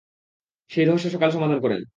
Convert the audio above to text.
সেই রহস্য সকালে সমাধান কোরেন।